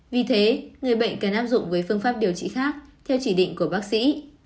vì thế người bệnh cần áp dụng với phương pháp điều trị khác theo chỉ định của bác sĩ